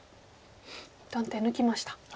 一旦手抜きました。